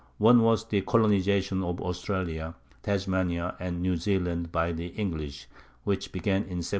One was the colonization of Australia, Tasmania, and New Zealand by the English, which began in 1788.